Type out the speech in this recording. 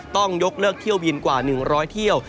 ต้องยกเลิกเที่ยวบินกว่า๑๐๐เที่ยว